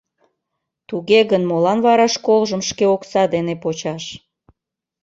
— Туге гын, молан вара школжым шке окса дене почаш?